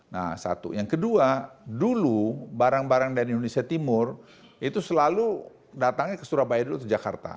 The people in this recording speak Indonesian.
nah satu yang kedua dulu barang barang dari indonesia timur itu selalu datangnya ke surabaya dulu atau jakarta